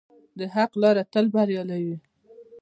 د حق لاره تل بریالۍ وي.